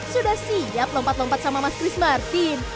sudah siap lompat lompat sama mas chris martin